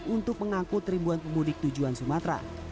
untuk mengangkut ribuan pemudik tujuan sumatera